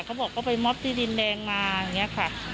เขาบอกเขาไปมอบที่ดินแดงมาอย่างนี้ค่ะ